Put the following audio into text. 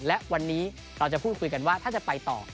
และวันนี้เราจะพูดคุยกันว่าถ้าจะไปต่อ